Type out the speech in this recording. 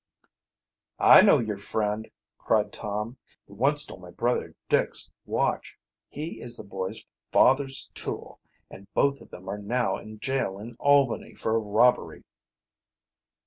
"I know your friend," cried Tom. "He once stole my brother Dick's watch. He is this boy's father's tool, and both of them are now in jail in Albany for robbery."